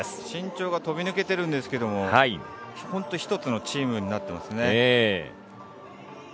身長が飛び抜けているんですが本当１つのチームになってますね。